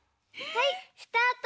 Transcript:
はいスタート！